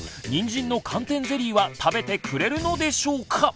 にんじんの寒天ゼリーは食べてくれるのでしょうか？